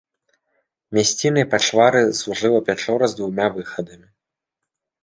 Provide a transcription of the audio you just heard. Мясцінай пачвары служыла пячора з двума выхадамі.